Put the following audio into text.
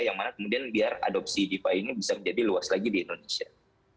yang mana kemudian biar adopsi defi ini bisa menjadi luas lagi di indonesia